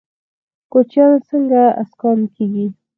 کوچیان څنګه اسکان کیږي؟